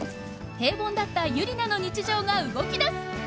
平凡だったユリナの日常が動きだす！